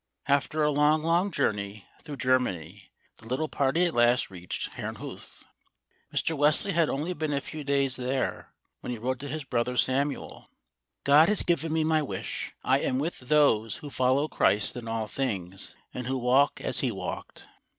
After a long, long journey through Germany, the little party at last reached Herrnhuth. Mr. Wesley had only been a few days there, when he wrote to his brother Samuel: "God has given me my wish, I am with those who follow Christ in all things, and who walk as He walked."